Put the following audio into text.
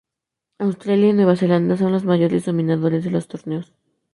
Australia y Nueva Zelanda son los mayores dominadores de los torneos.